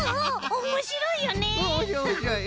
おもしろいよね！